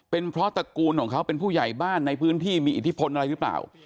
เป็นเพราะตระกูลของเขาเป็นผู้ใหญ่บ้านในพื้นที่มีอิทธิพลอะไรหรือเปล่า